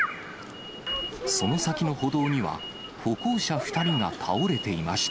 その先の歩道には、歩行者２人が倒れていました。